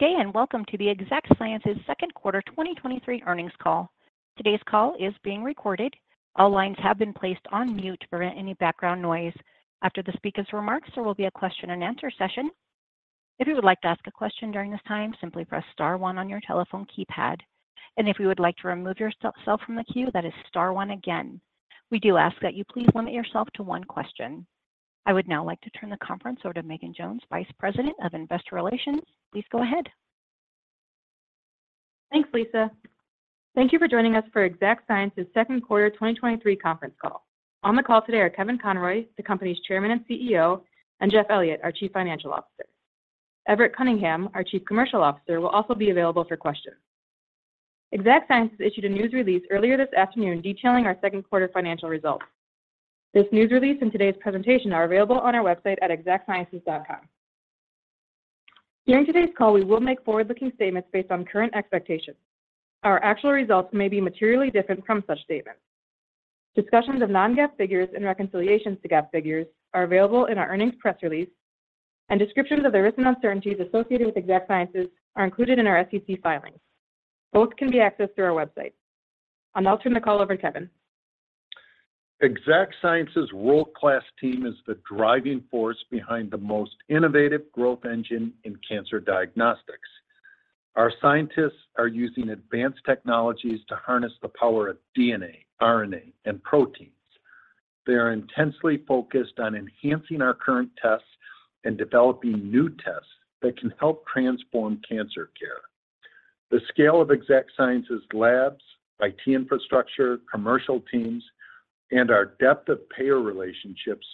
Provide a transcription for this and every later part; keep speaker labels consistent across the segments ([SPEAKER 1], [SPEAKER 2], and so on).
[SPEAKER 1] Good day, and welcome to the Exact Sciences' second quarter 2023 earnings call. Today's call is being recorded. All lines have been placed on mute to prevent any background noise. After the speaker's remarks, there will be a question-and-answer session. If you would like to ask a question during this time, simply press star one on your telephone keypad. If you would like to remove yourself from the queue, that is star one again. We do ask that you please limit yourself to one question. I would now like to turn the conference over to Megan Jones, Vice President of Investor Relations. Please go ahead.
[SPEAKER 2] Thanks, Lisa. Thank you for joining us for Exact Sciences' second quarter 2023 conference call. On the call today are Kevin Conroy, the company's chairman and CEO, and Jeff Elliott, our chief financial officer. Everett Cunningham, our Chief Commercial Officer, will also be available for questions. Exact Sciences issued a news release earlier this afternoon detailing our second quarter financial results. This news release and today's presentation are available on our website at exactsciences.com. During today's call, we will make forward-looking statements based on current expectations. Our actual results may be materially different from such statements. Discussions of non-GAAP figures and reconciliations to GAAP figures are available in our earnings press release, and descriptions of the risks and uncertainties associated with Exact Sciences are included in our SEC filings. Both can be accessed through our website. I'll now turn the call over to Kevin.
[SPEAKER 3] Exact Sciences' world-class team is the driving force behind the most innovative growth engine in cancer diagnostics. Our scientists are using advanced technologies to harness the power of DNA, RNA, and proteins. They are intensely focused on enhancing our current tests and developing new tests that can help transform cancer care. The scale of Exact Sciences labs, IT infrastructure, commercial teams, and our depth of payer relationships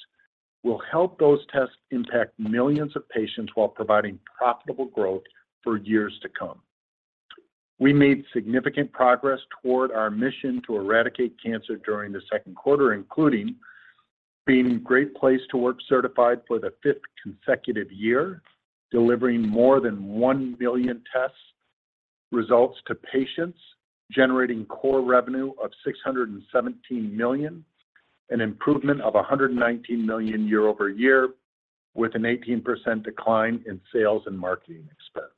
[SPEAKER 3] will help those tests impact millions of patients while providing profitable growth for years to come. We made significant progress toward our mission to eradicate cancer during the second quarter, including being a Great Place to Work certified for the fifth consecutive year, delivering more than 1 billion test results to patients, generating core revenue of $617 million, an improvement of $119 million year-over-year, with an 18% decline in sales and marketing expense.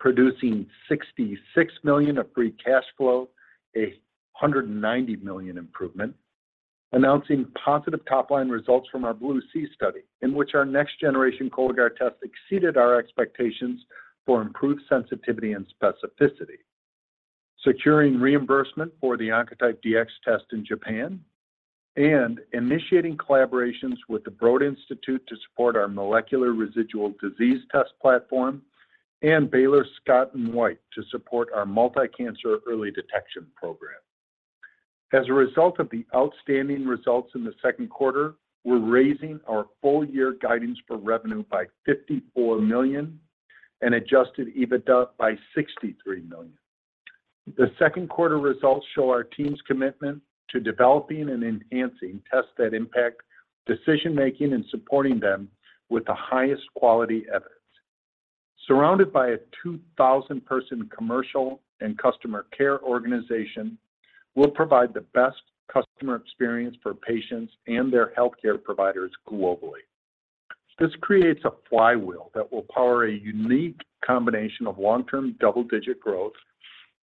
[SPEAKER 3] Producing $66 million of free cash flow, a $190 million improvement. Announcing positive top-line results from our BLUE-C study, in which our next generation Cologuard test exceeded our expectations for improved sensitivity and specificity. Securing reimbursement for the Oncotype DX test in Japan, and initiating collaborations with the Broad Institute to support our molecular residual disease test platform and Baylor Scott & White to support our multi-cancer early detection program. As a result of the outstanding results in the second quarter, we're raising our full year guidance for revenue by $54 million and Adjusted EBITDA by $63 million. The second quarter results show our team's commitment to developing and enhancing tests that impact decision making and supporting them with the highest quality evidence. Surrounded by a 2,000 person commercial and customer care organization, we'll provide the best customer experience for patients and their healthcare providers globally. This creates a flywheel that will power a unique combination of long-term double-digit growth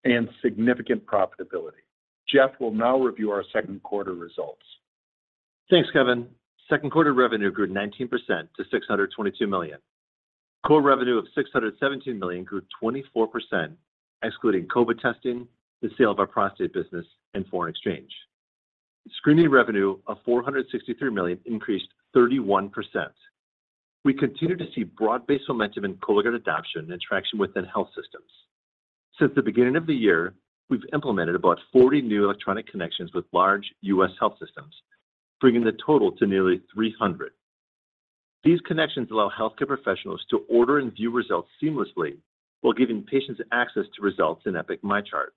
[SPEAKER 3] and significant profitability. Jeff will now review our second quarter results.
[SPEAKER 4] Thanks, Kevin. Second quarter revenue grew 19% to $622 million. Core revenue of $617 million grew 24%, excluding COVID testing, the sale of our prostate business, and foreign exchange. Screening revenue of $463 million increased 31%. We continue to see broad-based momentum in Cologuard adoption and traction within health systems. Since the beginning of the year, we've implemented about 40 new electronic connections with large U.S. health systems, bringing the total to nearly 300. These connections allow healthcare professionals to order and view results seamlessly while giving patients access to results in Epic MyChart.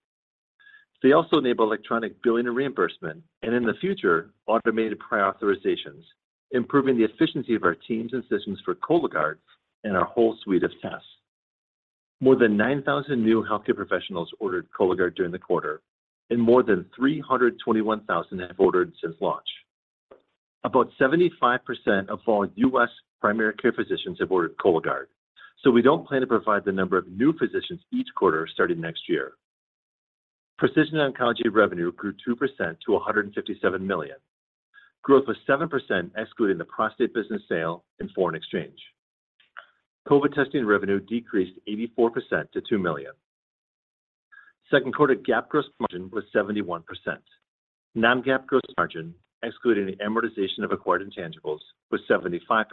[SPEAKER 4] They also enable electronic billing and reimbursement, and in the future, automated pre-authorizations, improving the efficiency of our teams and systems for Cologuard and our whole suite of tests. More than 9,000 new healthcare professionals ordered Cologuard during the quarter, and more than 321,000 have ordered since launch. About 75% of all U.S. primary care physicians have ordered Cologuard, so we don't plan to provide the number of new physicians each quarter starting next year. Precision oncology revenue grew 2% to $157 million. Growth was 7%, excluding the prostate business sale and foreign exchange. COVID testing revenue decreased 84% to $2 million. Second quarter GAAP gross margin was 71%. Non-GAAP gross margin, excluding the amortization of acquired intangibles, was 75%.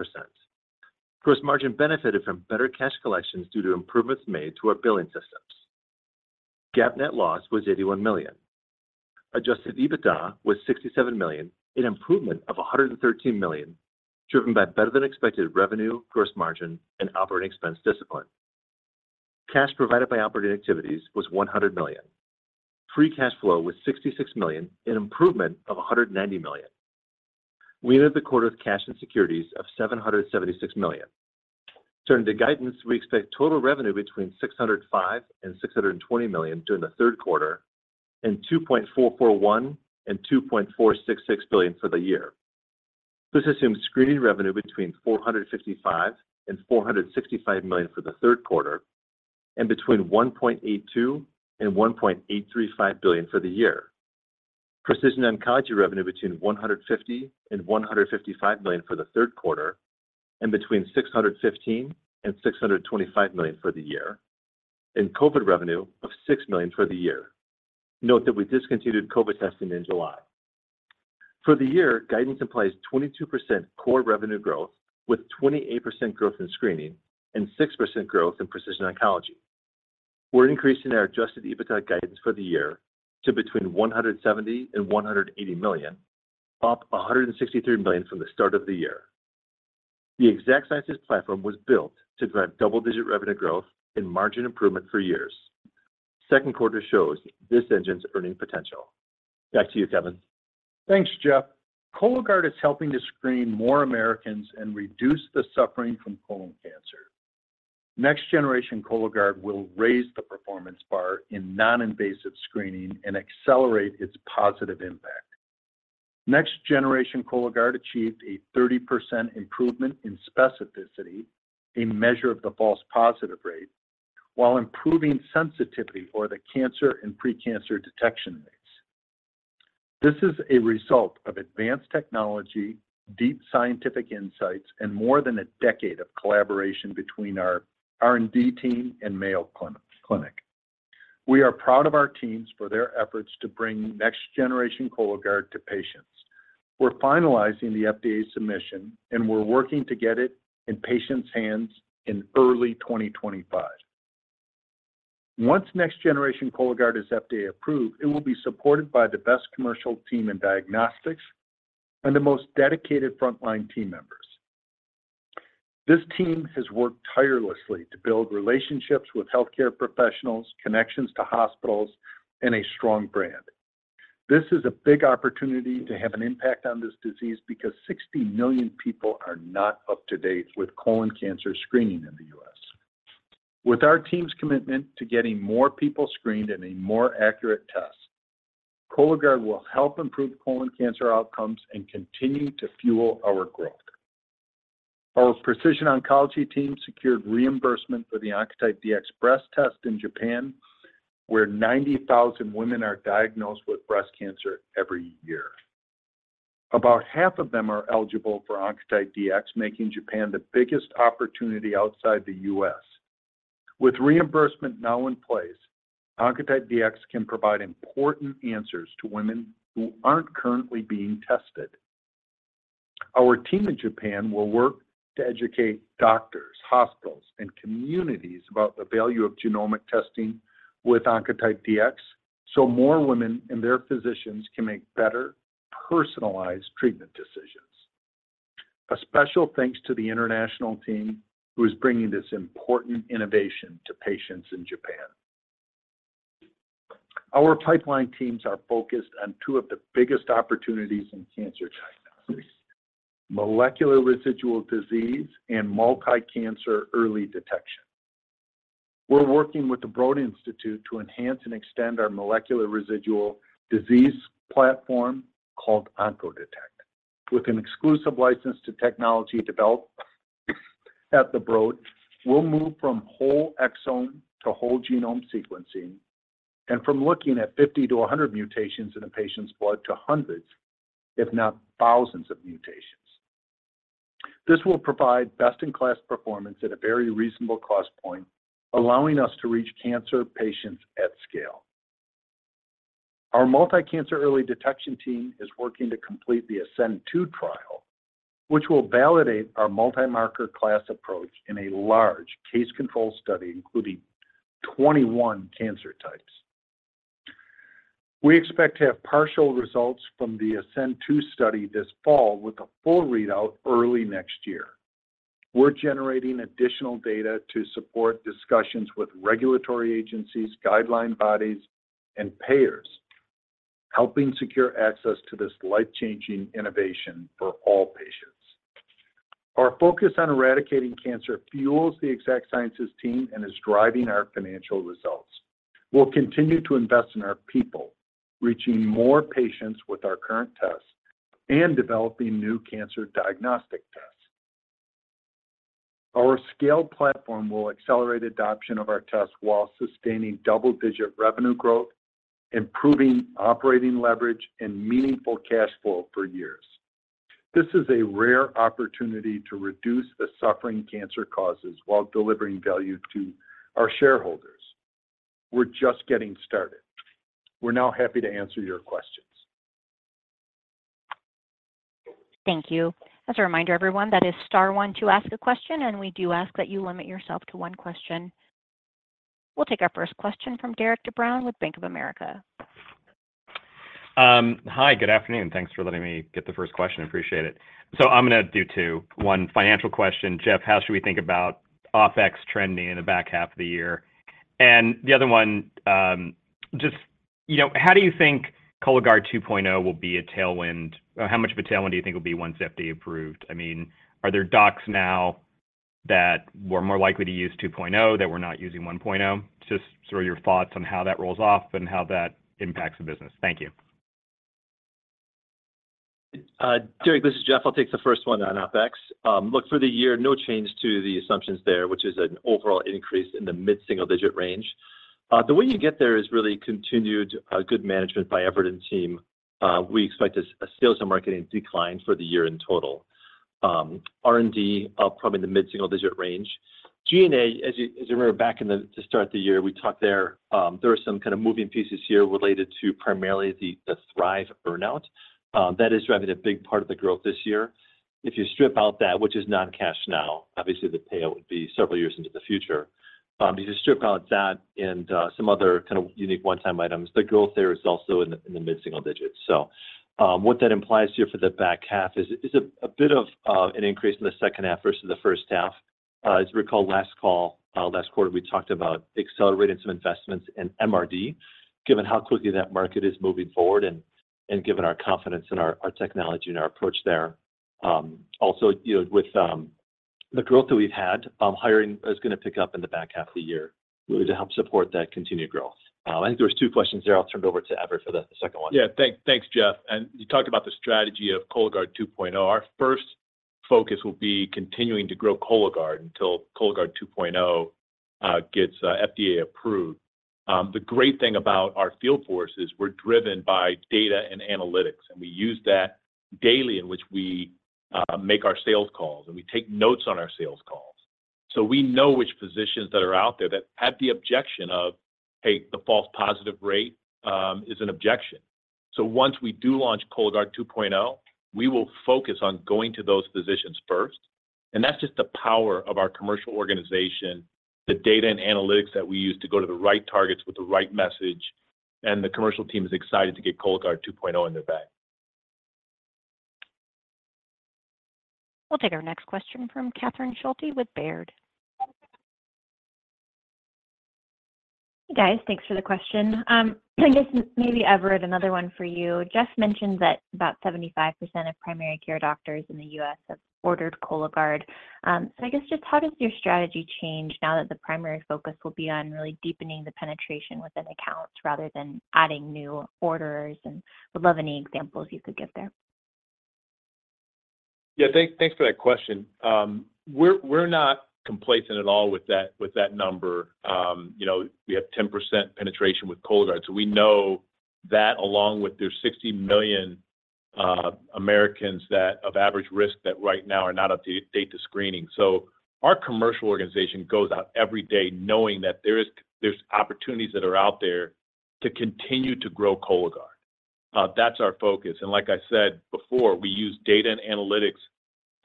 [SPEAKER 4] Gross margin benefited from better cash collections due to improvements made to our billing systems. GAAP net loss was $81 million. Adjusted EBITDA was $67 million, an improvement of $113 million, driven by better-than-expected revenue, gross margin, and operating expense discipline. Cash provided by operating activities was $100 million. Free cash flow was $66 million, an improvement of $190 million. We ended the quarter with cash and securities of $776 million. Turning to guidance, we expect total revenue between $605 million and $620 million during the third quarter and $2.441 billion and $2.466 billion for the year. This assumes screening revenue between $455 million and $465 million for the third quarter, and between $1.82 billion and $1.835 billion for the year. Precision Oncology revenue between $150 million and $155 million for the third quarter, and between $615 million and $625 million for the year, and COVID revenue of $6 million for the year. Note that we discontinued COVID testing in July. For the year, guidance implies 22% core revenue growth, with 28% growth in screening and 6% growth in Precision Oncology. We're increasing our Adjusted EBITDA guidance for the year to between $170 million and $180 million, up $163 million from the start of the year. The Exact Sciences platform was built to drive double-digit revenue growth and margin improvement for years. Second quarter shows this engine's earning potential. Back to you, Kevin.
[SPEAKER 3] Thanks, Jeff. Cologuard is helping to screen more Americans and reduce the suffering from colon cancer. Next generation Cologuard will raise the performance bar in non-invasive screening and accelerate its positive impact. Next generation Cologuard achieved a 30% improvement in specificity, a measure of the false positive rate, while improving sensitivity for the cancer and pre-cancer detection rates. This is a result of advanced technology, deep scientific insights, and more than a decade of collaboration between our R&D team and Mayo Clinic. We are proud of our teams for their efforts to bring next generation Cologuard to patients. We're finalizing the FDA submission, we're working to get it in patients' hands in early 2025. Once next generation Cologuard is FDA approved, it will be supported by the best commercial team in diagnostics and the most dedicated frontline team members. This team has worked tirelessly to build relationships with healthcare professionals, connections to hospitals, and a strong brand. This is a big opportunity to have an impact on this disease because 60 million people are not up-to-date with colon cancer screening in the U.S. With our team's commitment to getting more people screened and a more accurate test, Cologuard will help improve colon cancer outcomes and continue to fuel our growth. Our precision oncology team secured reimbursement for the Oncotype DX breast test in Japan, where 90,000 women are diagnosed with breast cancer every year. About half of them are eligible for Oncotype DX, making Japan the biggest opportunity outside the U.S. With reimbursement now in place, Oncotype DX can provide important answers to women who aren't currently being tested. Our team in Japan will work to educate doctors, hospitals, and communities about the value of genomic testing with Oncotype DX, so more women and their physicians can make better, personalized treatment decisions. A special thanks to the international team who is bringing this important innovation to patients in Japan. Our pipeline teams are focused on two of the biggest opportunities in cancer diagnosis: molecular residual disease and multi-cancer early detection. We're working with the Broad Institute to enhance and extend our molecular residual disease platform called Oncodetect. With an exclusive license to technology developed at the Broad, we'll move from whole exome to whole genome sequencing, and from looking at fifty to a hundred mutations in a patient's blood to hundreds, if not thousands, of mutations. This will provide best-in-class performance at a very reasonable cost point, allowing us to reach cancer patients at scale. Our multi-cancer early detection team is working to complete the ASCEND-2 trial, which will validate our multi-marker class approach in a large case control study, including 21 cancer types. We expect to have partial results from the ASCEND-2 study this fall, with a full readout early next year. We're generating additional data to support discussions with regulatory agencies, guideline bodies, and payers, helping secure access to this life-changing innovation for all patients. Our focus on eradicating cancer fuels the Exact Sciences team and is driving our financial results. We'll continue to invest in our people, reaching more patients with our current tests and developing new cancer diagnostic tests. Our scale platform will accelerate adoption of our tests while sustaining double-digit revenue growth, improving operating leverage, and meaningful cash flow for years. This is a rare opportunity to reduce the suffering cancer causes while delivering value to our shareholders. We're just getting started. We're now happy to answer your questions.
[SPEAKER 1] Thank you. As a reminder, everyone, that is star one to ask a question, and we do ask that you limit yourself to one question. We'll take our first question from Derik de Bruin with Bank of America.
[SPEAKER 5] Hi, good afternoon, thanks for letting me get the first question. Appreciate it. I'm going to do two. One financial question: Jeff, how should we think about OpEx trending in the back half of the year? The other one, just, you know, how do you think Cologuard 2.0 will be a tailwind, or how much of a tailwind do you think will be once FDA approved? I mean, are there docs now that we're more likely to use 2.0, that we're not using 1.0? Just sort of your thoughts on how that rolls off and how that impacts the business. Thank you.
[SPEAKER 4] Derik, this is Jeff. I'll take the first one on OpEx. Look, for the year, no change to the assumptions there, which is an overall increase in the mid-single-digit range. The way you get there is really continued good management by Everett and team. We expect a, a sales and marketing decline for the year in total. R&D, probably in the mid-single-digit range. G&A, as you, as you remember back in the start of the year, we talked there, there were some kind of moving pieces here related to primarily the Thrive earn-out. That is driving a big part of the growth this year. If you strip out that, which is non-cash now, obviously the payout would be several years into the future. If you strip out that and some other kind of unique one-time items, the growth there is also in the, in the mid-single digits. What that implies here for the back half is, is a, a bit of an increase in the second half versus the first half. As you recall, last call, last quarter, we talked about accelerating some investments in MRD, given how quickly that market is moving forward and, and given our confidence in our, our technology and our approach there. You know, with the growth that we've had, hiring is gonna pick up in the back half of the year really to help support that continued growth. I think there was two questions there. I'll turn it over to Everett for the, the second one.
[SPEAKER 6] Yeah. Thank, thanks, Jeff. You talked about the strategy of Cologuard 2.0. Our first focus will be continuing to grow Cologuard until Cologuard 2.0 gets FDA approved. The great thing about our field force is we're driven by data and analytics, and we use that daily in which we make our sales calls, and we take notes on our sales calls. We know which physicians that are out there that have the objection of, "Hey, the false positive rate," is an objection. Once we do launch Cologuard 2.0, we will focus on going to those physicians first, and that's just the power of our commercial organization, the data and analytics that we use to go to the right targets with the right message, and the commercial team is excited to get Cologuard 2.0 in their bag.
[SPEAKER 1] We'll take our next question from Catherine Schulte with Baird.
[SPEAKER 7] Hey, guys. Thanks for the question. I guess maybe, Everett, another one for you. Jeff mentioned that about 75% of primary care doctors in the U.S. have ordered Cologuard. I guess just how does your strategy change now that the primary focus will be on really deepening the penetration within accounts rather than adding new orders? Would love any examples you could give there.
[SPEAKER 6] Yeah, thank, thanks for that question. We're, we're not complacent at all with that, with that number. You know, we have 10% penetration with Cologuard, so we know that along with there's 60 million Americans of average risk, that right now are not up-to-date to screening. Our commercial organization goes out every day knowing that there's opportunities that are out there to continue to grow Cologuard. That's our focus. Like I said before, we use data and analytics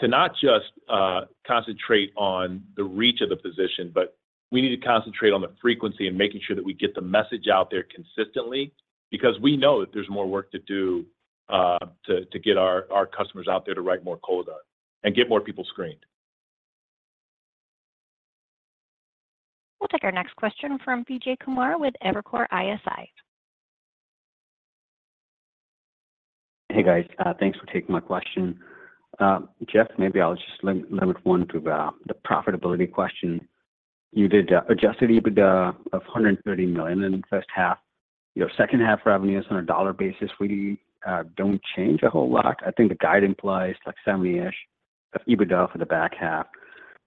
[SPEAKER 6] to not just concentrate on the reach of the physician, but we need to concentrate on the frequency and making sure that we get the message out there consistently. We know that there's more work to do to get our customers out there to write more Cologuard and get more people screened.
[SPEAKER 1] We'll take our next question from Vijay Kumar with Evercore ISI.
[SPEAKER 8] Hey, guys. Thanks for taking my question. Jeff, maybe I'll just limit one to the profitability question. You did Adjusted EBITDA of $130 million in the first half. Your second half revenue is on a dollar basis, really, don't change a whole lot. I think the guide implies like $70-ish of EBITDA for the back half.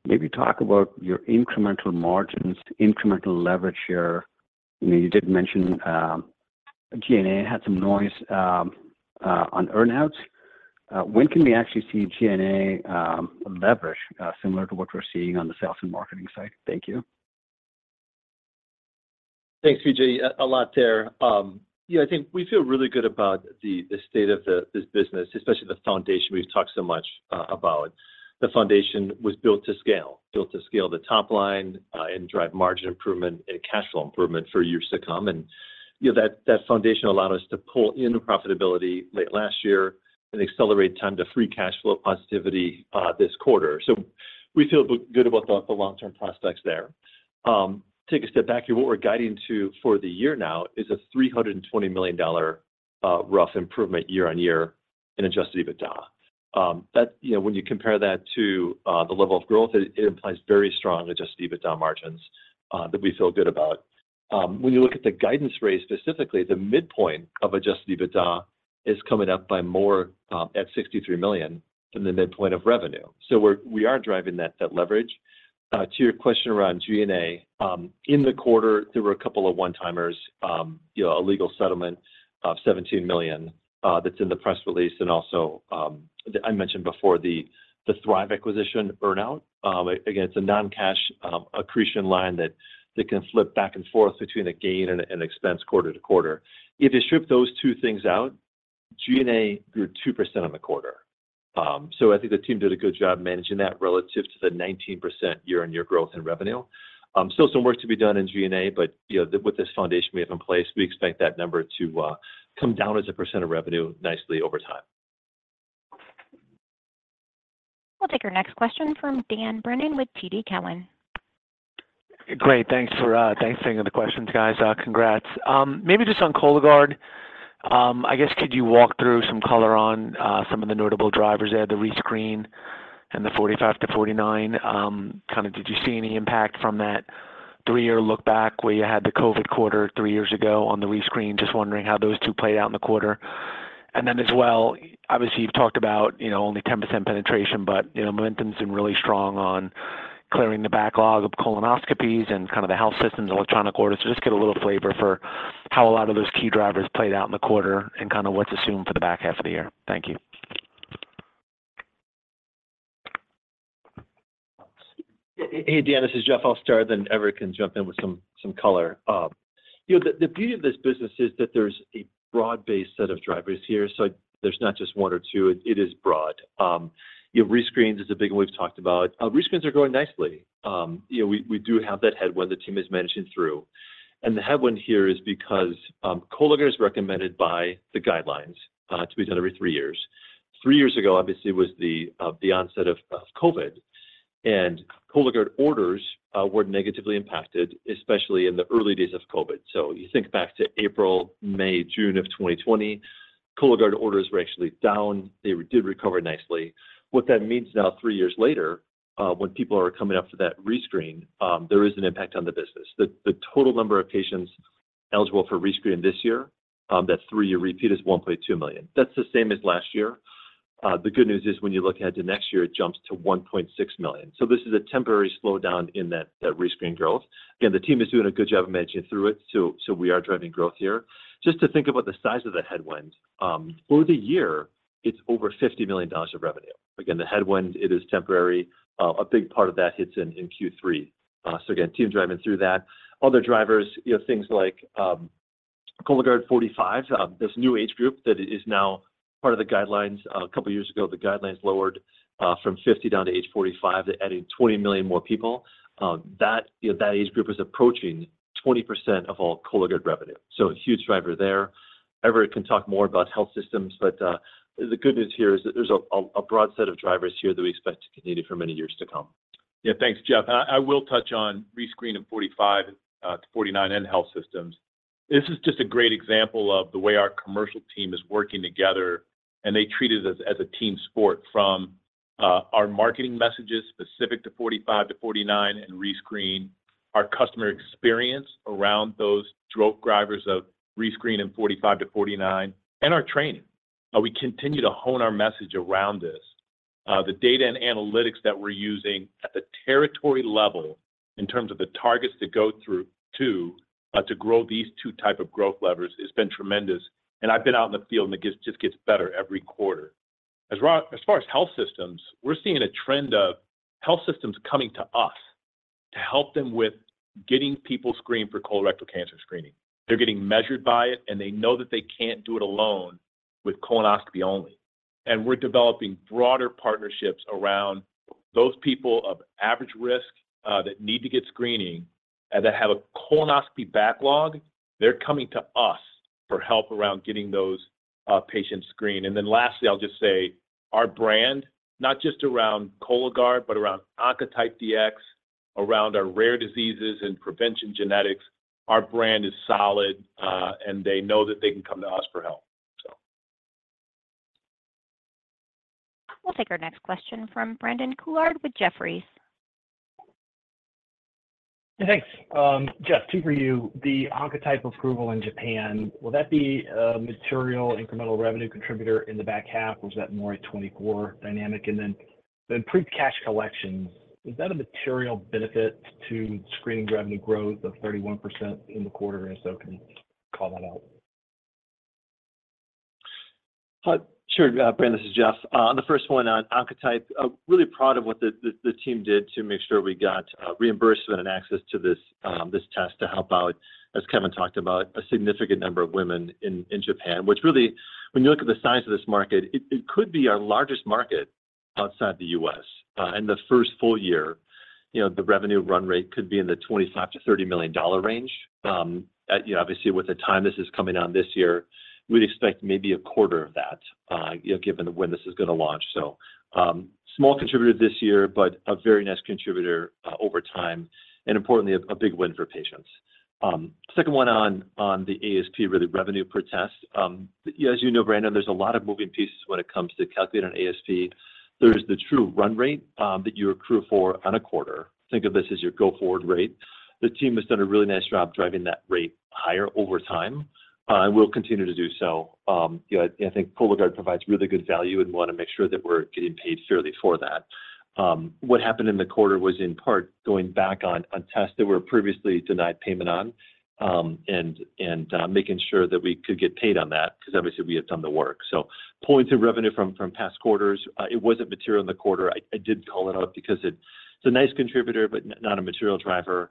[SPEAKER 8] Maybe talk about your incremental margins, incremental leverage here. You know, you did mention G&A had some noise on earn-outs. When can we actually see G&A leverage similar to what we're seeing on the sales and marketing side? Thank you.
[SPEAKER 4] Thanks, Vijay. A lot there. Yeah, I think we feel really good about the state of this business, especially the foundation we've talked so much about. The foundation was built to scale, built to scale the top line and drive margin improvement and cash flow improvement for years to come. You know, that foundation allowed us to pull into profitability late last year and accelerate time to free cash flow positivity this quarter. We feel good about the long-term prospects there. Take a step back here. What we're guiding to for the year now is a $320 million rough improvement year-over-year in Adjusted EBITDA. That. You know, when you compare that to the level of growth, it implies very strong Adjusted EBITDA margins that we feel good about. When you look at the guidance rate, specifically, the midpoint of Adjusted EBITDA is coming up by more, at $63 million than the midpoint of revenue. We are driving that, that leverage. To your question around G&A, in the quarter, there were a couple of one-timers, you know, a legal settlement of $17 million, that's in the press release, and also, I mentioned before the, the Thrive acquisition earn-out. Again, it's a non-cash, accretion line that, that can flip back and forth between a gain and, and expense quarter to quarter. If you strip those two things out, G&A grew 2% on the quarter. I think the team did a good job managing that relative to the 19% year-on-year growth in revenue. Still some work to be done in G&A, but, you know, with this foundation we have in place, we expect that number to come down as a percent of revenue nicely over time.
[SPEAKER 1] We'll take our next question from Dan Brennan with TD Cowen.
[SPEAKER 9] Great. Thanks for thanks for taking the questions, guys. Congrats. Maybe just on Cologuard. I guess, could you walk through some color on some of the notable drivers there, the rescreen and the 45-49? Kind of did you see any impact from that three-year look back where you had the COVID quarter three years ago on the rescreen? Just wondering how those two played out in the quarter. Then as well, obviously, you've talked about, you know, only 10% penetration, but, you know, momentum's been really strong on clearing the backlog of colonoscopies and kind of the health systems electronic orders. Just get a little flavor for how a lot of those key drivers played out in the quarter and kind of what to assume for the back half of the year. Thank you.
[SPEAKER 4] Hey, Dan, this is Jeff. I'll start, then Everett can jump in with some, some color. You know, the, the beauty of this business is that there's a broad-based set of drivers here, so there's not just one or two. It, it is broad. You know, rescreens is a big one we've talked about. Rescreens are going nicely. You know, we, we do have that headwind the team is managing through, and the headwind here is because Cologuard is recommended by the guidelines to be done every three years. Three years ago, obviously, was the, the onset of, of COVID, and Cologuard orders were negatively impacted, especially in the early days of COVID. You think back to April, May, June of 2020, Cologuard orders were actually down. They did recover nicely. What that means now, three years later, when people are coming up to that rescreen, there is an impact on the business. The, the total number of patients eligible for rescreening this year, that three-year repeat, is $1.2 million. That's the same as last year. The good news is when you look ahead to next year, it jumps to $1.6 million. This is a temporary slowdown in that, that rescreen growth. Again, the team is doing a good job of managing through it, so, so we are driving growth here. Just to think about the size of the headwind, for the year, it's over $50 million of revenue. Again, the headwind, it is temporary. A big part of that hits in, in Q3. Again, team driving through that. Other drivers, you know, things like, Cologuard 45, this new age group that is now part of the guidelines. A couple of years ago, the guidelines lowered, from 50 down to age 45. They added 20 million more people. That, you know, that age group is approaching 20% of all Cologuard revenue, so a huge driver there. Everett can talk more about health systems, but, the good news here is that there's a, a, a broad set of drivers here that we expect to continue for many years to come.
[SPEAKER 6] Yeah. Thanks, Jeff. I, I will touch on rescreening 45-49 and health systems. This is just a great example of the way our commercial team is working together, and they treat it as, as a team sport from, our marketing messages specific to 45-49 and rescreen, our customer experience around those drove drivers of rescreen in 45-49, and our training. We continue to hone our message around this. The data and analytics that we're using at the territory level in terms of the targets to go through to grow these two type of growth levers has been tremendous, and I've been out in the field, and just gets better every quarter. As far as health systems, we're seeing a trend of health systems coming to us to help them with getting people screened for colorectal cancer screening. They're getting measured by it, and they know that they can't do it alone with colonoscopy only. We're developing broader partnerships around those people of average risk that need to get screening and that have a colonoscopy backlog. They're coming to us for help around getting those patients screened. Lastly, I'll just say our brand, not just around Cologuard, but around Oncotype DX, around our rare diseases and prevention genetics, our brand is solid, and they know that they can come to us for help.
[SPEAKER 1] We'll take our next question from Brandon Couillard with Jefferies.
[SPEAKER 10] Thanks. Jeff, two for you. The Oncotype approval in Japan, will that be a material incremental revenue contributor in the back half, or is that more a 2024 dynamic? Then, the pre-cash collections, is that a material benefit to screening revenue growth of 31% in the quarter? If so, can you call that out?
[SPEAKER 4] Sure, Brandon, this is Jeff. On the first one, on Oncotype, I'm really proud of what the, the, the team did to make sure we got reimbursement and access to this test to help out, as Kevin talked about, a significant number of women in Japan, which really, when you look at the size of this market, it, it could be our largest market outside the U.S. In the first full year, you know, the revenue run-rate could be in the $25 million-$30 million range. You know, obviously, with the time this is coming on this year, we'd expect maybe a quarter of that, you know, given when this is going to launch. Small contributor this year, but a very nice contributor over time, and importantly, a big win for patients. Second one on, on the ASP, really revenue per test. As you know, Brandon, there's a lot of moving pieces when it comes to calculating an ASP. There's the true run-rate, that you accrue for on a quarter. Think of this as your go-forward rate. The team has done a really nice job driving that rate higher over time, and will continue to do so. You know, I think Cologuard provides really good value, and we want to make sure that we're getting paid fairly for that. What happened in the quarter was, in part, going back on, on tests that were previously denied payment on, and, and, making sure that we could get paid on that because obviously, we had done the work. Pulling some revenue from, from past quarters, it wasn't material in the quarter. I did call it out because it's a nice contributor, but not a material driver.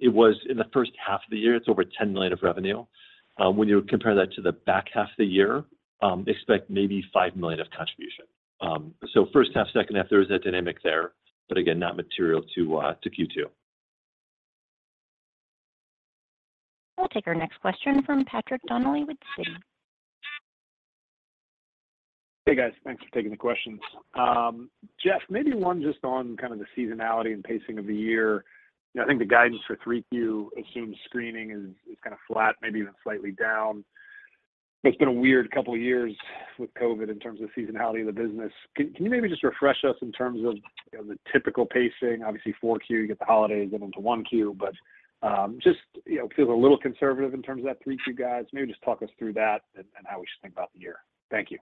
[SPEAKER 4] It was in the first half of the year, it's over $10 million of revenue. When you compare that to the back half of the year, expect maybe $5 million of contribution. First half, second half, there is a dynamic there, but again, not material to Q2.
[SPEAKER 1] We'll take our next question from Patrick Donnelly with Citi.
[SPEAKER 11] Hey, guys. Thanks for taking the questions. Jeff, maybe one just on kind of the seasonality and pacing of the year. You know, I think the guidance for 3Q assumes screening is, is kind of flat, maybe even slightly down. It's been a weird couple of years with COVID in terms of seasonality of the business. Can, can you maybe just refresh us in terms of, you know, the typical pacing? Obviously, 4Q, you get the holidays then into 1Q, but, just, you know, feels a little conservative in terms of that 3Q guides. Maybe just talk us through that and, and how we should think about the year? Thank you.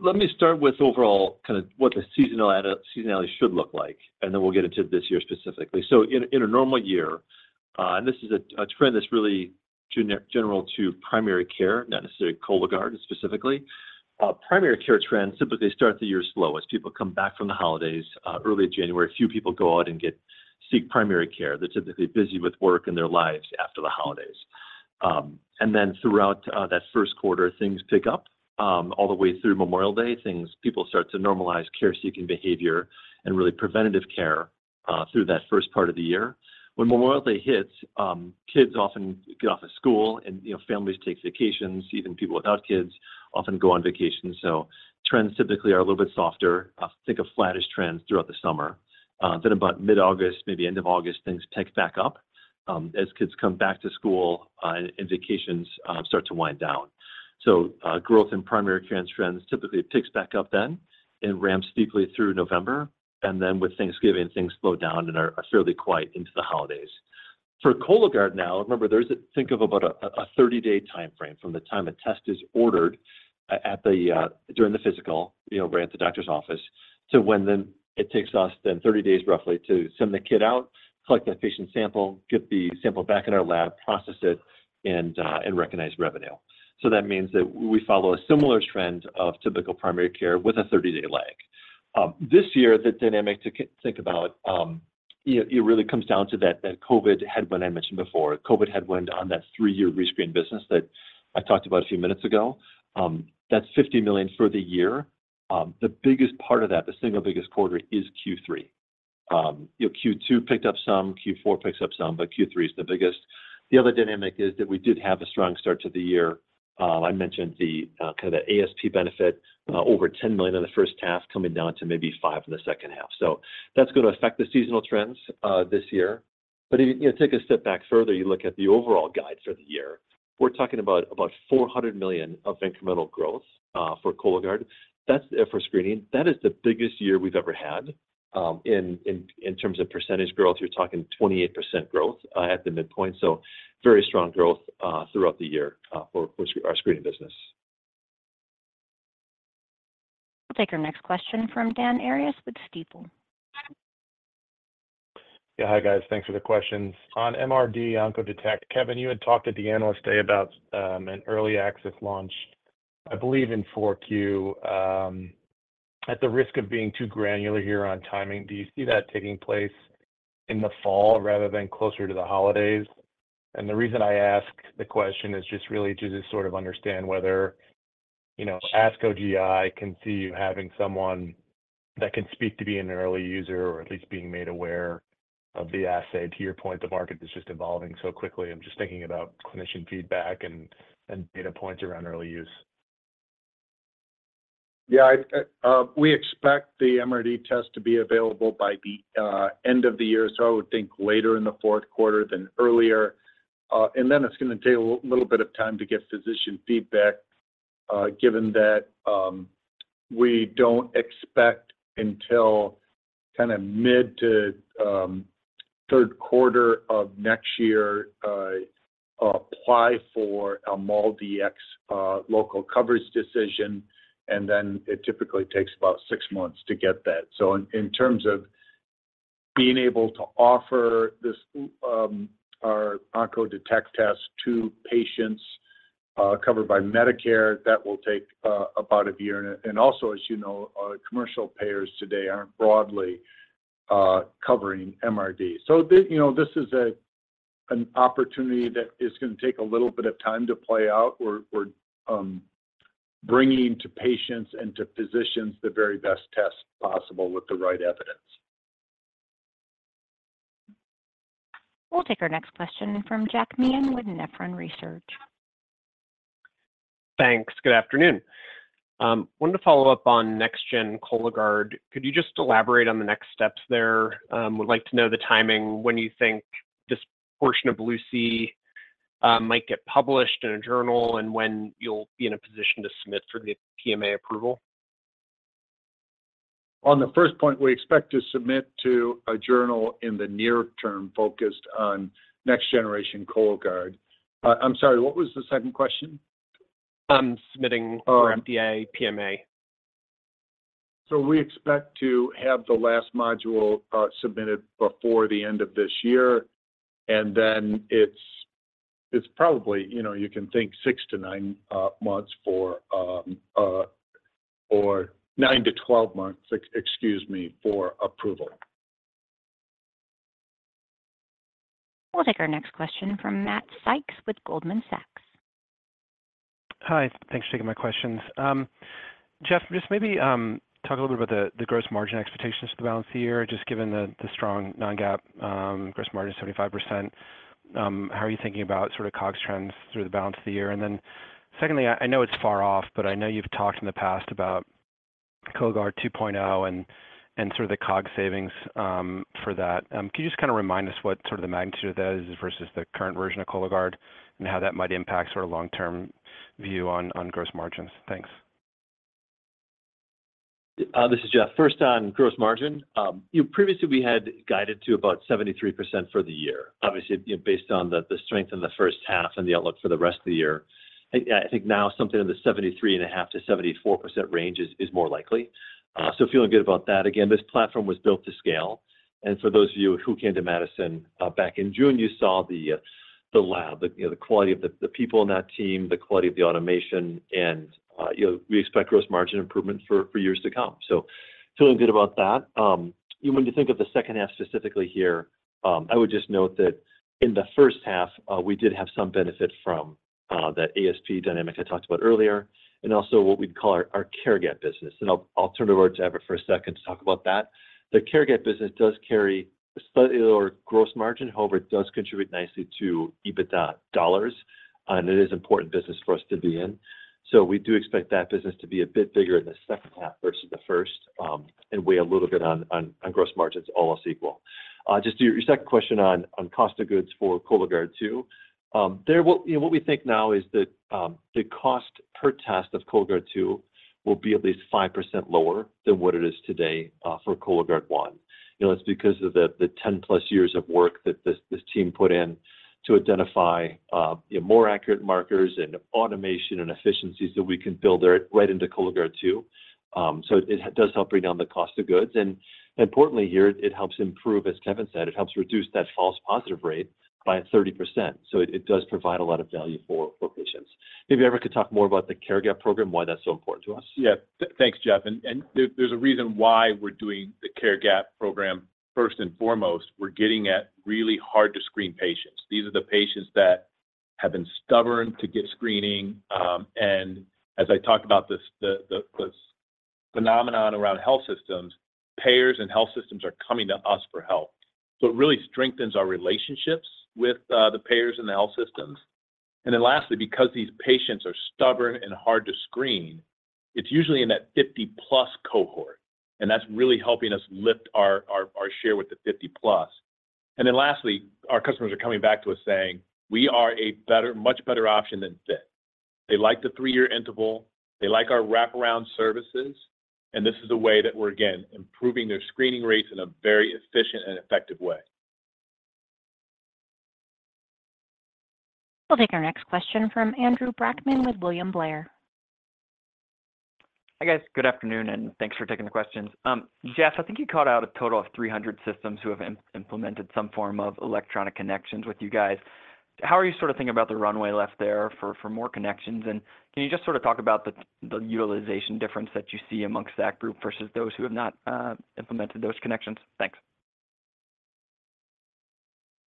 [SPEAKER 4] Let me start with overall kind of what the seasonal seasonality should look like. We'll get into this year specifically. In a normal year, and this is a trend that's really general to primary care, not necessarily Cologuard specifically. Primary care trends typically start the year slow as people come back from the holidays. Early January, few people go out and seek primary care. They're typically busy with work and their lives after the holidays. Throughout that first quarter, things pick up all the way through Memorial Day. People start to normalize care-seeking behavior and really preventative care through that first part of the year. When Memorial Day hits, kids often get off of school and, you know, families take vacations. Even people without kids often go on vacation, so trends typically are a little bit softer. Think of flattish trends throughout the summer. About mid-August, maybe end of August, things pick back up, as kids come back to school, and vacations start to wind down. Growth in primary care trends typically picks back up then and ramps steeply through November, and then with Thanksgiving, things slow down and are, are fairly quiet into the holidays. For Cologuard now, remember, there's a... Think of about a 30-day time frame from the time a test is ordered at the during the physical, you know, we're at the doctor's office, to when then it takes us then 30 days roughly to send the kit out, collect that patient sample, get the sample back in our lab, process it, and recognize revenue. That means that we follow a similar trend of typical primary care with a 30-day lag. This year, the dynamic to think about, you know, it really comes down to that, that COVID headwind I mentioned before. COVID headwind on that three-year rescreen business that I talked about a few minutes ago, that's $50 million for the year. The biggest part of that, the single biggest quarter, is Q3. You know, Q2 picked up some, Q4 picks up some, Q3 is the biggest. The other dynamic is that we did have a strong start to the year. I mentioned the kind of the ASP benefit, over $10 million in the first half, coming down to maybe $5 million in the second half. That's going to affect the seasonal trends this year. If you, you know, take a step back further, you look at the overall guide for the year, we're talking about, about $400 million of incremental growth for Cologuard. That's it for screening. That is the biggest year we've ever had, in terms of percentage growth. You're talking 28% growth at the midpoint, so very strong growth throughout the year for our screening business.
[SPEAKER 1] We'll take our next question from Dan Arias with Stifel.
[SPEAKER 12] Yeah. Hi, guys. Thanks for the questions. On MRD Oncodetect, Kevin, you had talked at the Analyst Day about an early access launch, I believe, in 4Q. At the risk of being too granular here on timing, do you see that taking place in the fall rather than closer to the holidays? The reason I ask the question is just really to just sort of understand whether, you know, ASCO GI can see you having someone that can speak to being an early user or at least being made aware of the assay. To your point, the market is just evolving so quickly. I'm just thinking about clinician feedback and, and data points around early use.
[SPEAKER 3] Yeah, I, we expect the MRD test to be available by the end of the year, so I would think later in the fourth quarter than earlier. Then it's gonna take a little bit of time to get physician feedback, given that we don't expect until kind of mid to third quarter of next year, apply for a MolDX Local Coverage Determination, and then it typically takes about six months to get that. In terms of being able to offer this, our Oncodetect test to patients, covered by Medicare, that will take about 1 year. Also, as you know, our commercial payers today aren't broadly covering MRD. This, you know, this is an opportunity that is gonna take a little bit of time to play out. We're, we're bringing to patients and to physicians the very best test possible with the right evidence.
[SPEAKER 1] We'll take our next question from Jack Meehan with Nephron Research.
[SPEAKER 13] Thanks. Good afternoon. Wanted to follow up on next-gen Cologuard. Could you just elaborate on the next steps there? Would like to know the timing, when you think this portion of LUCY might get published in a journal and when you'll be in a position to submit for the PMA approval?
[SPEAKER 3] On the first point, we expect to submit to a journal in the near term, focused on next generation Cologuard. I'm sorry, what was the second question?
[SPEAKER 13] submitting for FDA PMA.
[SPEAKER 3] We expect to have the last module submitted before the end of this year, and then it's, it's probably, you know, you can think six to nine months for, or nine to 12 months, excuse me, for approval.
[SPEAKER 1] We'll take our next question from Matt Sykes with Goldman Sachs.
[SPEAKER 14] Hi. Thanks for taking my questions. Jeff, just maybe, talk a little bit about the, the gross margin expectations for the balance of the year, just given the, the strong non-GAAP gross margin is 75%. How are you thinking about sort of COGS trends through the balance of the year? Then secondly, I, I know it's far off, but I know you've talked in the past about Cologuard 2.0, and, and sort of the COG savings, for that. Can you just kinda remind us what sort of the magnitude of that is versus the current version of Cologuard, and how that might impact sort of long-term view on, on gross margins? Thanks.
[SPEAKER 4] This is Jeff. First, on gross margin, you know, previously we had guided to about 73% for the year. Obviously, you know, based on the strength in the first half and the outlook for the rest of the year. I think now something in the 73.5%-74% range is more likely. Feeling good about that. Again, this platform was built to scale, and so those of you who came to Madison back in June, you saw the lab, the, you know, the quality of the people on that team, the quality of the automation, and, you know, we expect gross margin improvement for years to come. Feeling good about that. When you think of the second half specifically here, I would just note that in the first half, we did have some benefit from that ASP dynamic I talked about earlier and also what we'd call our, our care gap business, and I'll turn it over to Everett for a second to talk about that. The care gap business does carry a slightly lower gross margin, however, it does contribute nicely to EBITDA dollars, and it is important business for us to be in. We do expect that business to be a bit bigger in the second half versus the first, and weigh a little bit on gross margins, almost equal. Just to your second question on cost of goods for Cologuard 2, there what... You know, what we think now is that the cost per test of Cologuard two will be at least 5% lower than what it is today for Cologuard one. You know, it's because of the 10+ years of work that this team put in to identify, you know, more accurate markers and automation and efficiencies that we can build there right into Cologuard two. So it does help bring down the cost of goods, and importantly, here, it helps improve, as Kevin said, it helps reduce that false positive rate by 30%, so it does provide a lot of value for patients. Maybe Everett could talk more about the care gap program, why that's so important to us.
[SPEAKER 6] Yeah. Th-thanks, Jeff, and, and there, there's a reason why we're doing the Care Gap program. First and foremost, we're getting at really hard-to-screen patients. These are the patients that have been stubborn to get screening, and as I talked about this, the, the, this phenomenon around health systems, payers and health systems are coming to us for help. It really strengthens our relationships with the payers and the health systems. Lastly, because these patients are stubborn and hard to screen, it's usually in that 50+ cohort, and that's really helping us lift our, our, our share with the 50+. Lastly, our customers are coming back to us saying we are a better, much better option than FIT. They like the three-year interval, they like our wraparound services, and this is a way that we're, again, improving their screening rates in a very efficient and effective way.
[SPEAKER 1] We'll take our next question from Andrew Brackmann with William Blair.
[SPEAKER 15] Hi, guys. Good afternoon, thanks for taking the questions. Jeff, I think you called out a total of 300 systems who have implemented some form of electronic connections with you guys. How are you sort of thinking about the runway left there for, for more connections? Can you just sort of talk about the, the utilization difference that you see amongst that group versus those who have not, implemented those connections? Thanks.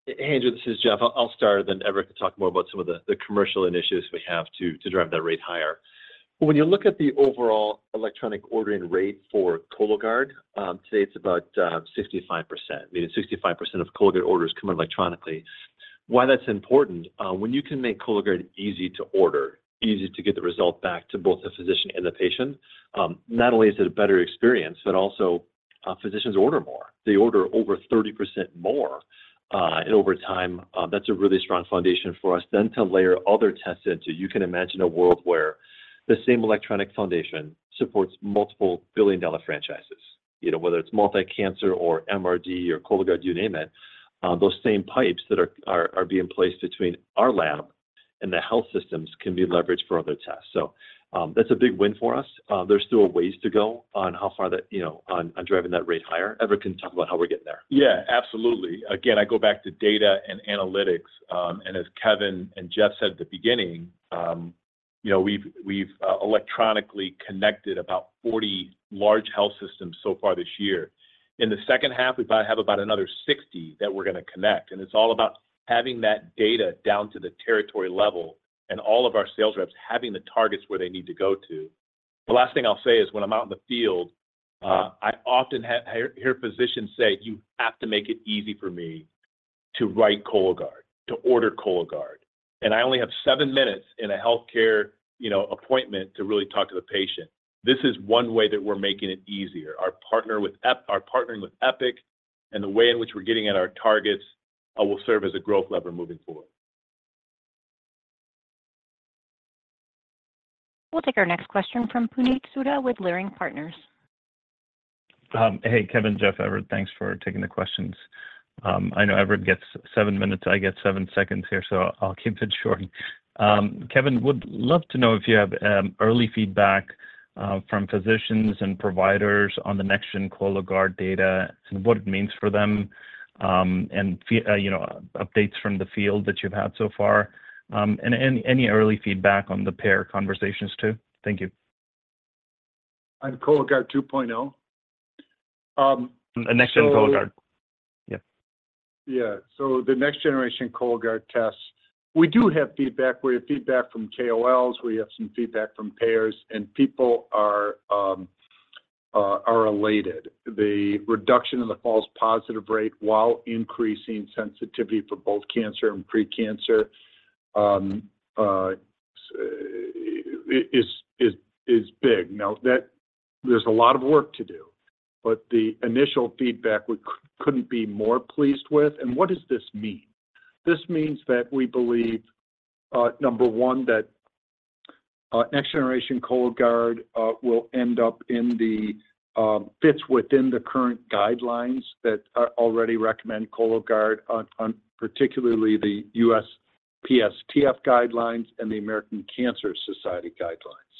[SPEAKER 4] Hey, Andrew, this is Jeff. I'll start, and then Everett can talk more about some of the, the commercial initiatives we have to, to drive that rate higher. When you look at the overall electronic ordering rate for Cologuard, today it's about 65%, meaning 65% of Cologuard orders come in electronically. Why that's important, when you can make Cologuard easy to order, easy to get the results back to both the physician and the patient, not only is it a better experience, but also physicians order more. They order over 30% more, and over time, that's a really strong foundation for us then to layer other tests into. You can imagine a world where the same electronic foundation supports multiple billion-dollar franchises, you know, whether it's multi-cancer or MRD or Cologuard, you name it. Those same pipes that are being placed between our lab and the health systems can be leveraged for other tests. That's a big win for us. There's still a ways to go on how far that, you know, on driving that rate higher. Everett can talk about how we're getting there.
[SPEAKER 6] Yeah, absolutely. Again, I go back to data and analytics, as Kevin and Jeff said at the beginning, you know, we've, we've electronically connected about 40 large health systems so far this year. In the second half, we might have about another 60 that we're gonna connect, and it's all about having that data down to the territory level and all of our sales reps having the targets where they need to go to. The last thing I'll say is, when I'm out in the field, I often hear, hear physicians say, "You have to make it easy for me to write Cologuard, to order Cologuard, and I only have seven minutes in a healthcare, you know, appointment to really talk to the patient." This is one way that we're making it easier. Our partner with our partnering with Epic and the way in which we're getting at our targets, will serve as a growth lever moving forward.
[SPEAKER 1] We'll take our next question from Puneet Souda with Leerink Partners.
[SPEAKER 16] Hey, Kevin, Jeff, Everett, thanks for taking the questions. I know Everett gets seven minutes. I get seven seconds here, so I'll keep it short. Kevin, would love to know if you have early feedback from physicians and providers on the next-gen Cologuard data and what it means for them, and you know, updates from the field that you've had so far, and any early feedback on the payer conversations, too? Thank you.
[SPEAKER 3] On Cologuard 2.0?
[SPEAKER 16] The next-gen Cologuard. Yeah.
[SPEAKER 3] Yeah. The next generation Cologuard test, we do have feedback. We have feedback from KOLs, we have some feedback from payers, and people are elated. The reduction in the false positive rate while increasing sensitivity for both cancer and pre-cancer is, is, is big. That there's a lot of work to do, but the initial feedback, we couldn't be more pleased with. What does this mean? This means that we believe, number one, that next generation Cologuard will end up fits within the current guidelines that are already recommend Cologuard on, on particularly the USPSTF guidelines and the American Cancer Society guidelines.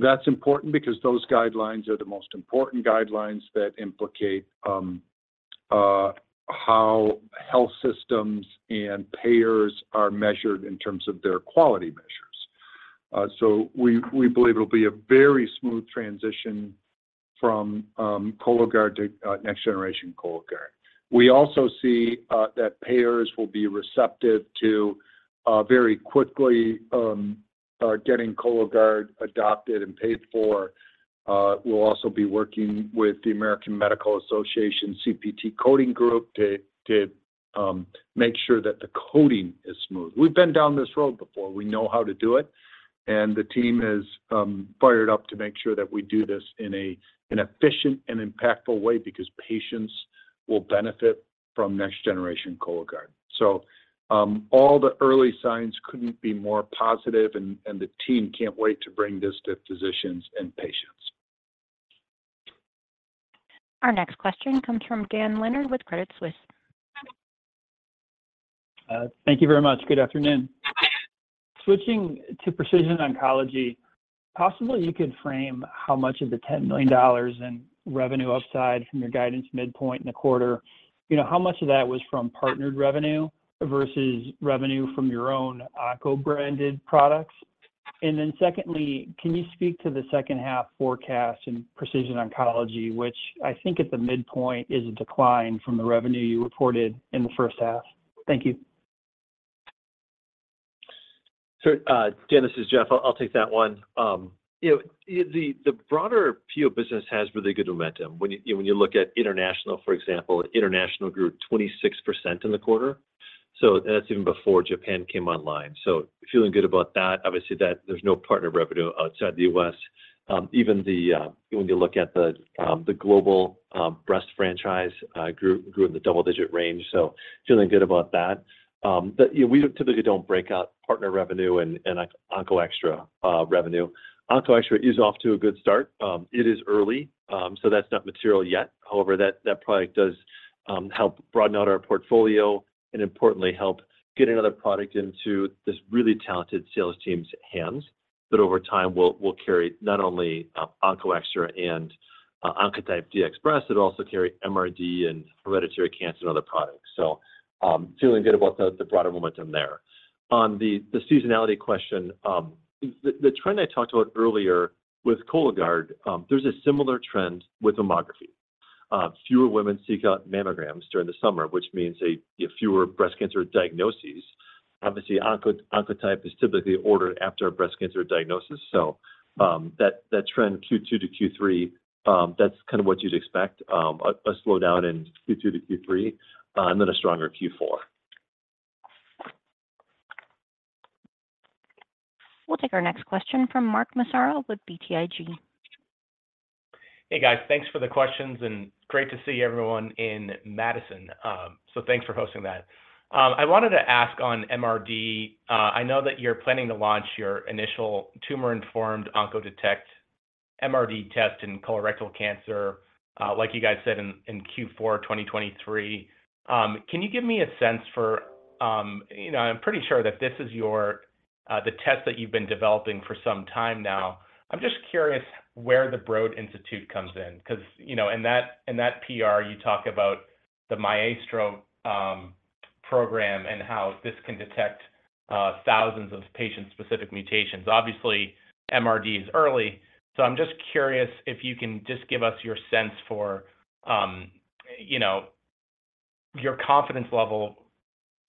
[SPEAKER 3] That's important because those guidelines are the most important guidelines that implicate how health systems and payers are measured in terms of their quality measures. We, we believe it'll be a very smooth transition from Cologuard to next generation Cologuard. We also see that payers will be receptive to very quickly getting Cologuard adopted and paid for. We'll also be working with the American Medical Association CPT coding group to, to make sure that the coding is smooth. We've been down this road before, we know how to do it, and the team is fired up to make sure that we do this in an efficient and impactful way, because patients will benefit from next generation Cologuard. All the early signs couldn't be more positive, and the team can't wait to bring this to physicians and patients.
[SPEAKER 1] Our next question comes from Dan Leonard with Credit Suisse.
[SPEAKER 17] Thank you very much. Good afternoon. Switching to precision oncology, possibly you could frame how much of the $10 million in revenue upside from your guidance midpoint in the quarter. You know, how much of that was from partnered revenue versus revenue from your own Onco branded products? Secondly, can you speak to the second half forecast in precision oncology, which I think at the midpoint is a decline from the revenue you reported in the first half? Thank you.
[SPEAKER 4] Dan, this is Jeff. I'll, I'll take that one. You know, the broader PO business has really good momentum. When you look at international, for example, international grew 26% in the quarter. That's even before Japan came online. Feeling good about that. Obviously, there's no partner revenue outside the U.S. Even when you look at the global breast franchise, grew, grew in the double-digit range, feeling good about that. You know, we typically don't break out partner revenue and OncoExTra revenue. OncoExTra is off to a good start. It is early. That's not material yet. However, that product does help broaden out our portfolio and importantly, help get another product into this really talented sales team's hands. Over time, we'll, we'll carry not only OncoExTra and Oncotype DX Breast Recurrence Score, it'll also carry MRD and hereditary cancer and other products. Feeling good about the broader momentum there. On the seasonality question, the trend I talked about earlier with Cologuard, there's a similar trend with mammography. Fewer women seek out mammograms during the summer, which means a fewer breast cancer diagnoses. Obviously, Oncotype DX Breast Recurrence Score is typically ordered after a breast cancer diagnosis. That trend Q2 to Q3, that's kind of what you'd expect, a slowdown in Q2 to Q3, and then a stronger Q4.
[SPEAKER 1] We'll take our next question from Mark Massaro with BTIG.
[SPEAKER 18] Hey, guys. Thanks for the questions, and great to see everyone in Madison. Thanks for hosting that. I wanted to ask on MRD, I know that you're planning to launch your initial tumor-informed Oncodetect MRD test in colorectal cancer, like you guys said in Q4 2023. Can you give me a sense for, you know, I'm pretty sure that this is your, the test that you've been developing for some time now. I'm just curious where the Broad Institute comes in. Because, you know, in that, in that PR, you talk about the MAESTRO program, and how this can detect, thousands of patient-specific mutations. Obviously, MRD is early, so I'm just curious if you can just give us your sense for, you know, your confidence level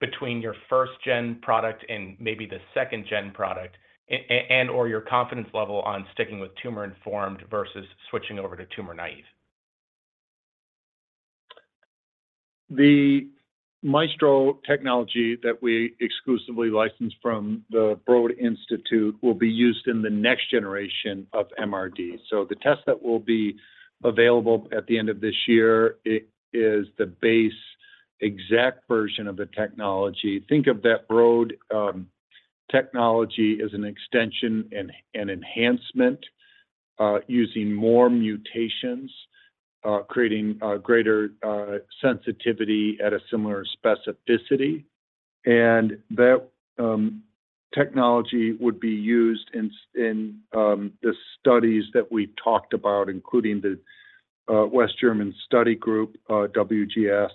[SPEAKER 18] between your 1st-gen product and maybe the 2nd-gen product, and/or your confidence level on sticking with tumor-informed versus switching over to tumor-naive?
[SPEAKER 6] The MAESTRO technology that we exclusively licensed from the Broad Institute will be used in the next-generation of MRD. The test that will be available at the end of this year is the base exact version of the technology. Think of that Broad technology as an extension and an enhancement, using more mutations, creating greater sensitivity at a similar specificity. That technology would be used in the studies that we talked about, including the West German Study Group, WGS.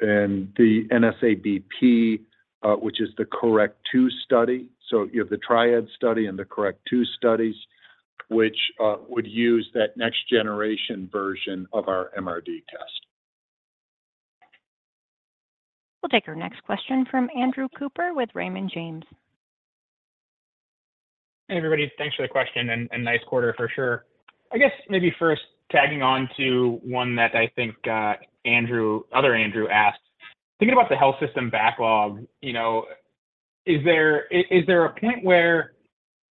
[SPEAKER 6] The NSABP, which is the CORRECT-II study. You have the Triad study and the CORRECT-II studies, which would use that next-generation version of our MRD test.
[SPEAKER 1] We'll take our next question from Andrew Cooper with Raymond James.
[SPEAKER 19] Hey, everybody. Thanks for the question, and nice quarter for sure. I guess maybe first tagging on to one that I think Andrew, other Andrew asked, thinking about the health system backlog, you know, is there a point where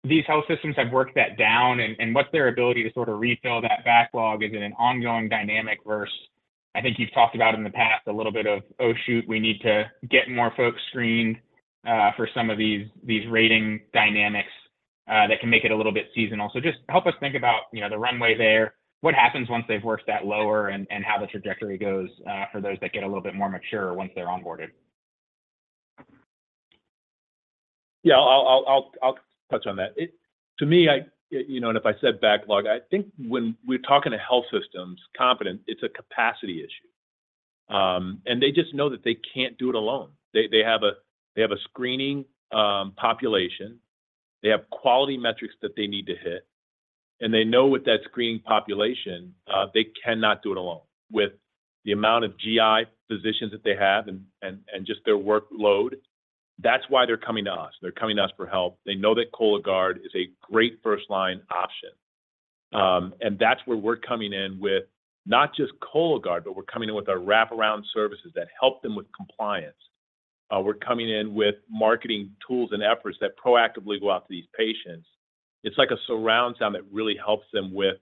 [SPEAKER 19] these health systems have worked that down? What's their ability to sort of refill that backlog? Is it an ongoing dynamic versus, I think you've talked about in the past, a little bit of, "Oh, shoot, we need to get more folks screened for some of these, these rating dynamics that can make it a little bit seasonal."? Just help us think about, you know, the runway there. What happens once they've worked that lower, and how the trajectory goes for those that get a little bit more mature once they're onboarded?
[SPEAKER 6] Yeah. I'll touch on that. To me, I, you know, if I said backlog, I think when we're talking to health systems competent, it's a capacity issue. They just know that they can't do it alone. They, they have a, they have a screening population, they have quality metrics that they need to hit, and they know with that screening population, they cannot do it alone. With the amount of GI physicians that they have and, and, and just their workload, that's why they're coming to us. They're coming to us for help. They know that Cologuard is a great first-line option. That's where we're coming in with not just Cologuard, but we're coming in with our wraparound services that help them with compliance. We're coming in with marketing tools and efforts that proactively go out to these patients. It's like a surround sound that really helps them with,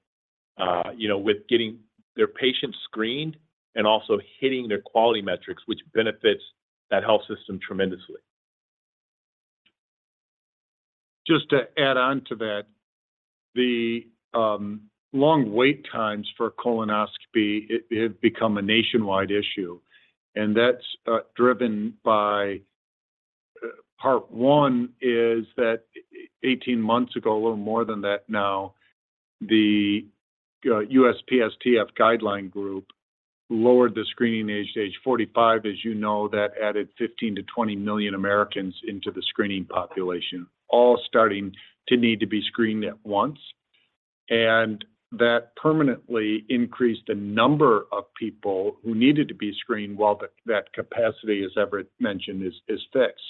[SPEAKER 6] you know, with getting their patients screened and also hitting their quality metrics, which benefits that health system tremendously.
[SPEAKER 3] Just to add on to that, the, long wait times for colonoscopy, it become a nationwide issue, and that's, driven by, part one is that 18 months ago, a little more than that now, the, USPSTF guideline group lowered the screening age to age 45. As you know, that added 15 million-20 million Americans into the screening population, all starting to need to be screened at once. That permanently increased the number of people who needed to be screened, while the, that capacity, as Everett mentioned, is fixed.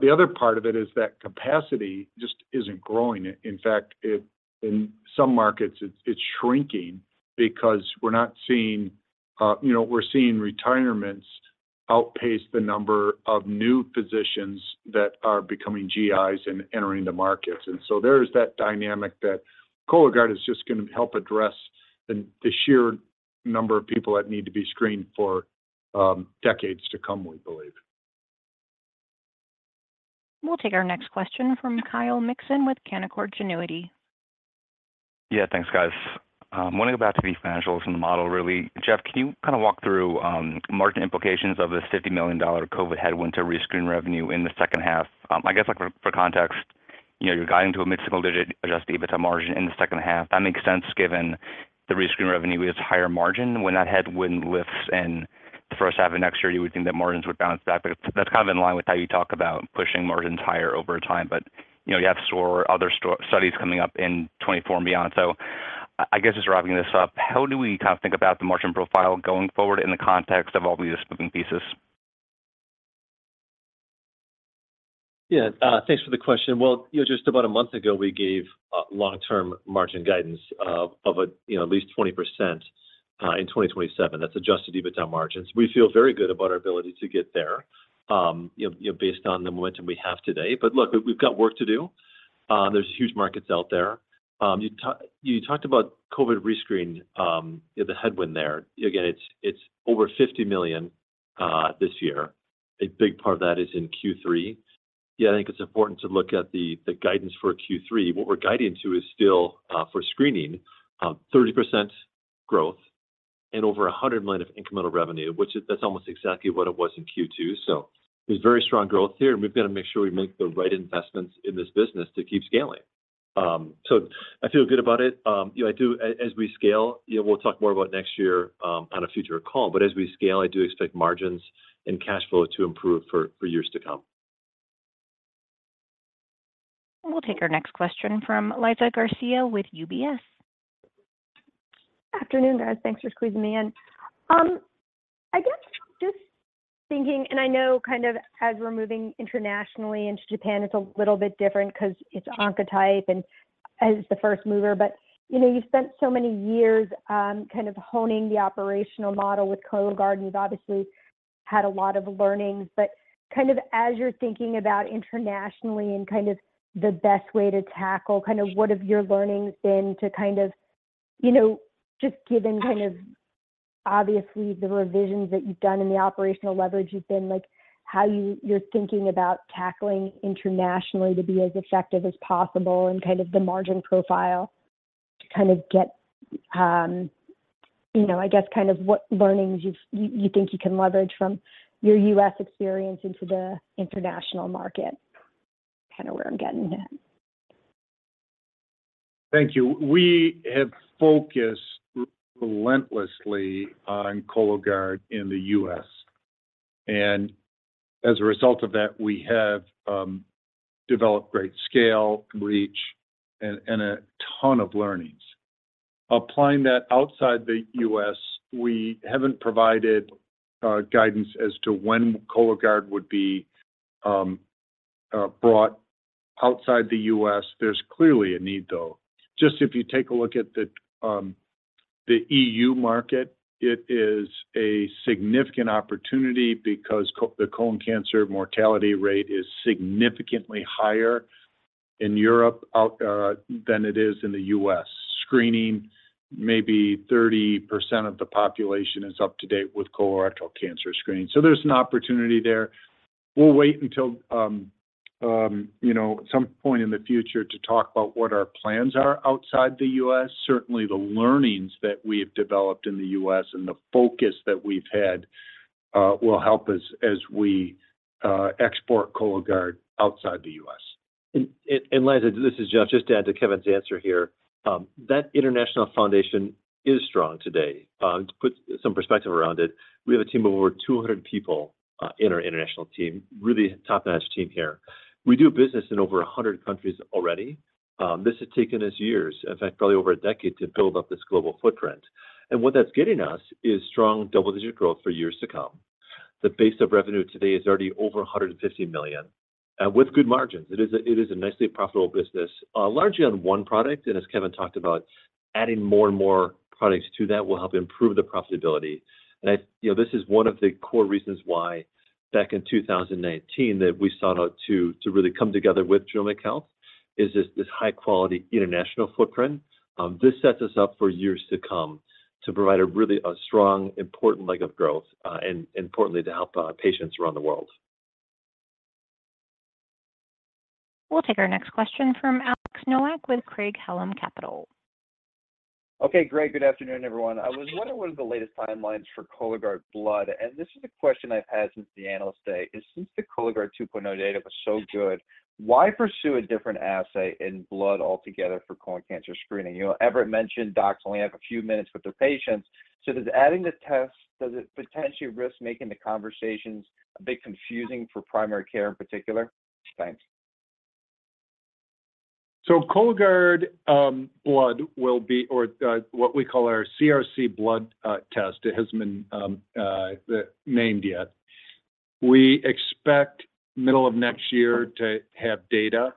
[SPEAKER 3] The other part of it is that capacity just isn't growing. In fact, in some markets, it's shrinking because we're not seeing, you know, we're seeing retirements outpace the number of new physicians that are becoming GIs and entering the markets. There is that dynamic that Cologuard is just gonna help address the, the sheer number of people that need to be screened for decades to come, we believe.
[SPEAKER 1] We'll take our next question from Kyle Mikson with Canaccord Genuity.
[SPEAKER 20] Yeah. Thanks, guys. wanting about to be financials and the model, really. Jeff, can you kind of walk through, margin implications of this $50 million COVID headwind to rescreen revenue in the second half? I guess, like, for, for context, you know, you're guiding to a mid-single digit Adjusted EBITDA margin in the second half. That makes sense given the rescreen revenue is higher margin when that headwind lifts. The first half of next year, we think that margins would bounce back, but that's kind of in line with how you talk about pushing margins higher over time. You know, you have store, other store-- studies coming up in 2024 and beyond. I guess just wrapping this up, how do we kind of think about the margin profile going forward in the context of all these moving pieces?
[SPEAKER 4] Yeah, thanks for the question. Well, you know, just about a month ago, we gave long-term margin guidance of, you know, at least 20% in 2027. That's Adjusted EBITDA margins. We feel very good about our ability to get there, you know, based on the momentum we have today. Look, we've got work to do. There's huge markets out there. You talked about COVID rescreen, you know, the headwind there. Again, it's over $50 million this year. A big part of that is in Q3. I think it's important to look at the guidance for Q3. What we're guiding to is still for screening, 30% growth and over $100 million of incremental revenue, which is, that's almost exactly what it was in Q2. There's very strong growth here, and we've got to make sure we make the right investments in this business to keep scaling. I feel good about it. You know, I do. As we scale, you know, we'll talk more about next year on a future call, as we scale, I do expect margins and cash flow to improve for, for years to come.
[SPEAKER 1] We'll take our next question from Lisa Garcia with UBS.
[SPEAKER 21] Afternoon, guys. Thanks for squeezing me in. I guess just thinking, and I know kind of as we're moving internationally into Japan, it's a little bit different because it's Oncotype and as the first mover, but, you know, you've spent so many years, kind of honing the operational model with Cologuard, and you've obviously had a lot of learnings. Kind of as you're thinking about internationally and kind of the best way to tackle, kind of what have your learnings been to kind of, you know, just given kind of obviously the revisions that you've done and the operational leverage you've been, like, how you're thinking about tackling internationally to be as effective as possible and kind of the margin profile to kind of get, you know, I guess kind of what learnings you've, you think you can leverage from your U.S. experience into the international market? Kind of where I'm getting at.
[SPEAKER 3] Thank you. We have focused relentlessly on Cologuard in the U.S. As a result of that, we have developed great scale, reach, and a ton of learnings. Applying that outside the U.S., we haven't provided guidance as to when Cologuard would be brought outside the U.S. There's clearly a need, though. Just if you take a look at the EU market, it is a significant opportunity because the colon cancer mortality rate is significantly higher in Europe than it is in the U.S. Screening, maybe 30% of the population is up to date with colorectal cancer screening, so there's an opportunity there. We'll wait until, you know, some point in the future to talk about what our plans are outside the U.S. Certainly, the learnings that we've developed in the U.S. and the focus that we've had, will help us as we, export Cologuard outside the U.S.
[SPEAKER 4] Liza, this is Jeff. Just to add to Kevin's answer here, that international foundation is strong today. To put some perspective around it, we have a team of over 200 people in our international team. Really top-notch team here. We do business in over 100 countries already. This has taken us years, in fact, probably over a decade, to build up this global footprint. What that's getting us is strong double-digit growth for years to come. The base of revenue today is already over $150 million with good margins. It is a, it is a nicely profitable business, largely on one product, and as Kevin talked about, adding more and more products to that will help improve the profitability. You know, this is one of the core reasons why back in 2019, that we sought out to, to really come together with Genomic Health, is this, this high-quality international footprint. This sets us up for years to come to provide a really, a strong, important leg of growth, and importantly, to help patients around the world.
[SPEAKER 1] We'll take our next question from Alex Nowak with Craig-Hallum Capital.
[SPEAKER 22] Okay, great. Good afternoon, everyone. I was wondering what are the latest timelines for Cologuard blood, and this is a question I've had since the analyst day, is since the Cologuard 2.0 was so good, why pursue a different assay in blood altogether for colon cancer screening? You know, Everett mentioned docs only have a few minutes with their patients, so does adding the test, does it potentially risk making the conversations a bit confusing for primary care in particular? Thanks.
[SPEAKER 3] Cologuard blood will be or what we call our CRC blood test. It hasn't been named yet. We expect middle of next year to have data.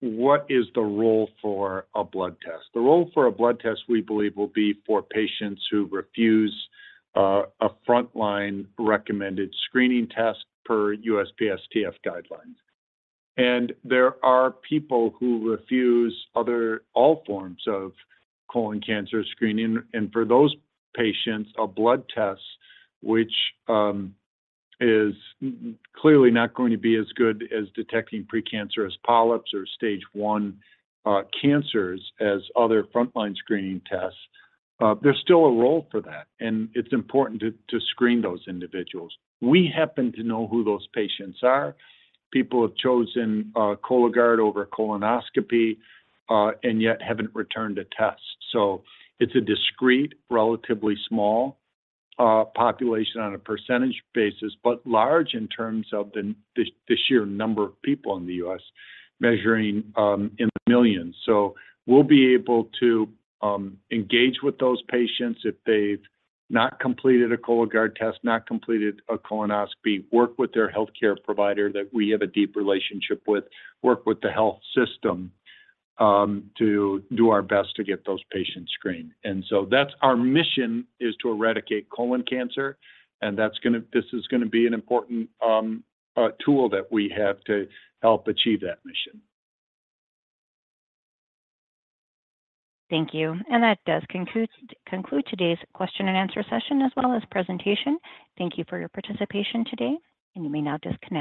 [SPEAKER 3] What is the role for a blood test? The role for a blood test, we believe, will be for patients who refuse a frontline recommended screening test per USPSTF guidelines. There are people who refuse all forms of colon cancer screening, and for those patients, a blood test, which is clearly not going to be as good as detecting precancerous polyps or stage I cancers as other frontline screening tests, there's still a role for that, and it's important to screen those individuals. We happen to know who those patients are. People have chosen Cologuard over colonoscopy and yet haven't returned a test. It's a discrete, relatively small population on a percentage basis, but large in terms of the, the, the sheer number of people in the U.S., measuring in the millions. We'll be able to engage with those patients if they've not completed a Cologuard test, not completed a colonoscopy, work with their healthcare provider that we have a deep relationship with, work with the health system to do our best to get those patients screened. That's our mission, is to eradicate colon cancer, and that's gonna this is gonna be an important tool that we have to help achieve that mission.
[SPEAKER 1] Thank you. That does conclude today's question and answer session, as well as presentation. Thank you for your participation today, and you may now disconnect.